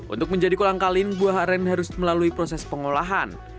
untuk menjadi kolang kaling buah aren harus melalui proses pengolahan